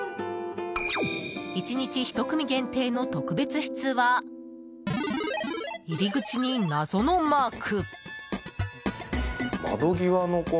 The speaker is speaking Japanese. １日１組限定の特別室は入り口に謎のマーク。